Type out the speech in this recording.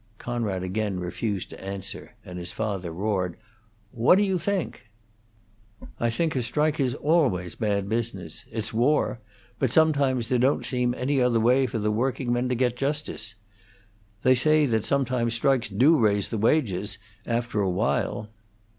Conrad again refused to answer, and his father roared, "What do you think?" "I think a strike is always bad business. It's war; but sometimes there don't seem any other way for the workingmen to get justice. They say that sometimes strikes do raise the wages, after a while."